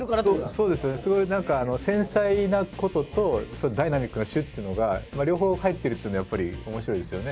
そういう何か繊細なこととダイナミックなシュッていうのが両方入っているというのはやっぱり面白いですよね。